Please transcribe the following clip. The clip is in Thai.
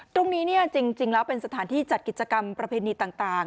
ตรงนี้จริงแล้วเป็นสถานที่จัดกิจกรรมประเพณีต่าง